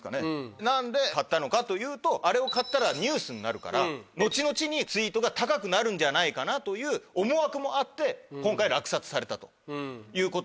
何で買ったのかというとあれを買ったらニュースになるから後々にツイートが高くなるんじゃないかなという思惑もあって今回落札されたということでございます。